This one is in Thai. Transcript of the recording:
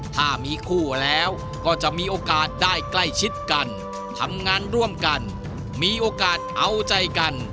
ถ้ามีคู่แล้วก็จะมีโอกาสได้ใกล้ชิดกันทำงานร่วมกันมีโอกาสเอาใจกัน